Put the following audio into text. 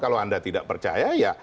kalau anda tidak percaya ya